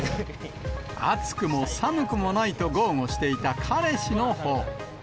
暑くも寒くもないと豪語していた彼氏のほう。